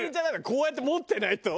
こうやって持ってないと。